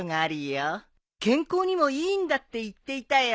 健康にもいいんだって言っていたよ。